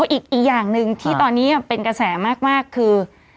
อีกอย่างหนึ่งที่ตอนนี้เป็นกระแสมากคือ